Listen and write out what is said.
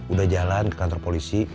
udah jalan ke kantor polisi